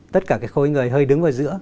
tất cả cái khối người hơi đứng vào giữa